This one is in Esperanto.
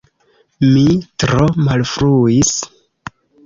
Mi tro malfruis!